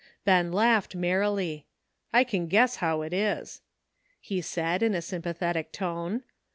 Ben laughed merrily. ''I can guess how it is," he said in a sympathetic tone.